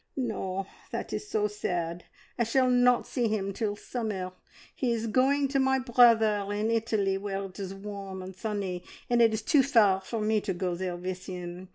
"No, that is so sad, I shall not see him until summer! He is going to my brother in Italy, where it is warm and sunny, and it is too far for me to go there with him.